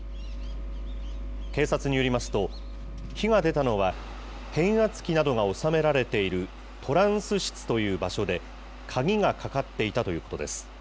警察によりますと、火が出たのは変圧器などが収められているトランス室という場所で、鍵がかかっていたということです。